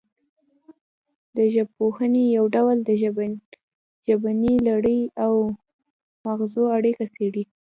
د ژبپوهنې یو ډول د ژبنۍ لړۍ او مغزو اړیکه څیړي